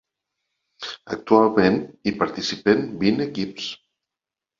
Actualment hi participen vint equips.